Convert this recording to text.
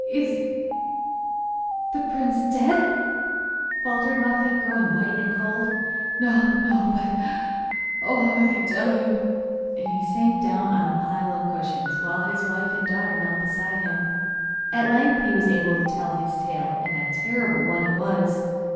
'Is the prince dead?' faltered Muffette, growing white and cold. 'No, no; but oh, how can I tell you!' And he sank down on a pile of cushions while his wife and daughter knelt beside him. At length he was able to tell his tale, and a terrible one it was!